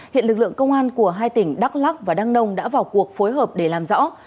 hiện lực lượng công an của hai tỉnh đắk lắc và đăng nông đã vào cuộc phối hợp để làm rõ